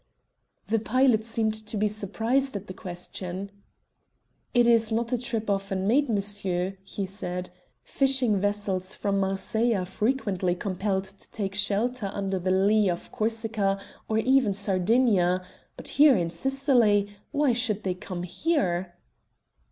The pilot seemed to be surprised at the question. "It is a trip not often made, monsieur," he said. "Fishing vessels from Marseilles are frequently compelled to take shelter under the lea of Corsica or even Sardinia, but here in Sicily why should they come here?"